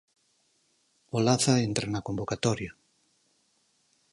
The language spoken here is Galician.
Olaza entra na convocatoria.